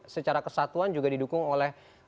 secara kesatuan juga didukung oleh